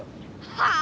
はあ⁉